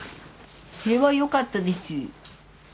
それはよかったです。